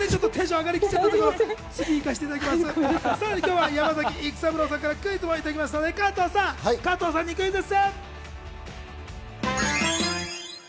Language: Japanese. さらに今日は山崎育三郎さんからクイズもいただきましたので加藤さんにクイズッス。